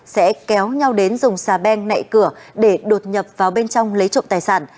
sẽ kéo nhau đến dùng xà beng nạy cửa để đột nhập vào bên trong lấy trộm tài sản